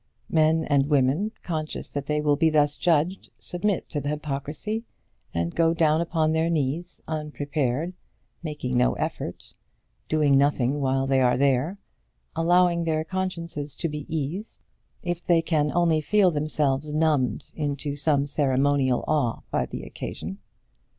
Men and women, conscious that they will be thus judged, submit to the hypocrisy, and go down upon their knees unprepared, making no effort, doing nothing while they are there, allowing their consciences to be eased if they can only feel themselves numbed into some ceremonial awe by the occasion.